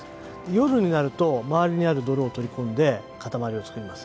夜になると周りにある泥を取り込んで塊を作ります。